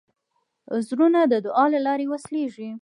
زړونه د دعا له لارې وصلېږي.